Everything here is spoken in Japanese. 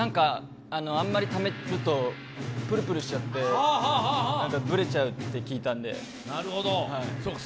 あんまりためるとプルプルしちゃってブレちゃうって聞いたので。